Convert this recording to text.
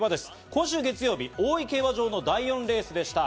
今週月曜日、大井競馬場の第４レースでした。